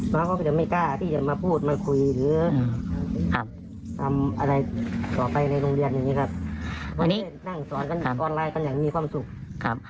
มันก็กลัวอยู่แล้วครับทุกคนมันกลัวอยู่แล้วเพราะเป็นข้าราชิการทุกคน